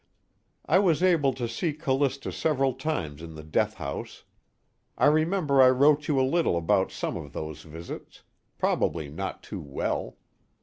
I was able to see Callista several times in the death house. I remember I wrote you a little about some of those visits, probably not too well.